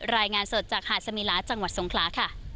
รายงานสดจากหาดสมิลาจังหวัดทรงคลาค่ะ